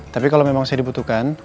tapi kalau memang saya dibutuhkan